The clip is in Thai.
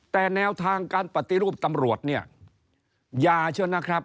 แต่แนวทางการปฏิรูปตำรวจ